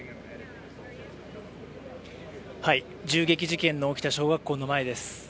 銃撃事件の起きた小学校の前です。